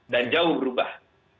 dan jauh berubah